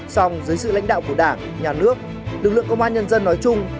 song dưới sự lãnh đạo của đảng nhà nước lực lượng công an nhân dân nói chung